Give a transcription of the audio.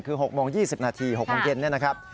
คือ๖โมง๒๐นาที๖องเย็นนะครับ